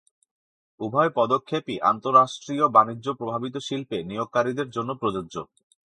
উভয় পদক্ষেপই আন্তঃরাষ্ট্রীয় বাণিজ্য প্রভাবিত শিল্পে নিয়োগকারীদের জন্য প্রযোজ্য।